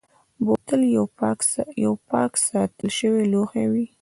بوتل یو پاک ساتل شوی لوښی وي.